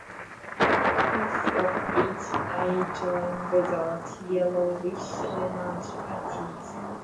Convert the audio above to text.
Apex of each elytron without yellowish rounded patches.